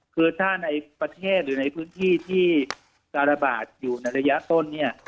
คือถ้าในประเทศหรือในพื้นที่ที่การระบาดอยู่ในระยะต้นเนี่ย